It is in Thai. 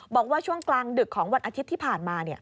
บอกว่าช่วงกลางดึกของวันอาทิตย์ที่ผ่านมา